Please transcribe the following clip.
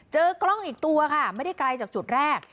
เจอกล้องอีกตัวค่ะไม่ได้ไกลจากจุดแรก